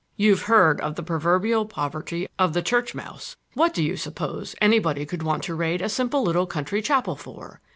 You've heard of the proverbial poverty of the church mouse,—what do you suppose anybody could want to raid a simple little country chapel for?